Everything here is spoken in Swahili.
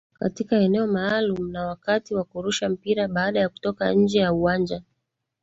katika eneo maalumu na wakati wa kurusha mpira baada ya kutoka nje ya uwanja